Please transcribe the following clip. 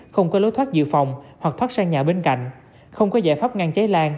không có lối thoát dự phòng hoặc thoát sang nhà bên cạnh không có giải pháp ngăn cháy lan